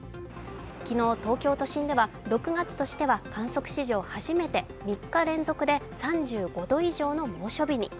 昨日東京都心では６月としては観測史上初めて３日連続で３５度以上の猛暑日に。